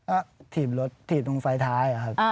ก็ถีบรถถีบตรงไฟท้ายครับ